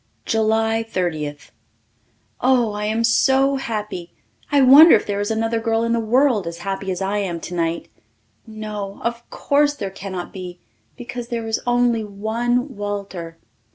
July Thirtieth. Oh, I am so happy! I wonder if there is another girl in the world as happy as I am tonight. No, of course there cannot be, because there is only one Walter!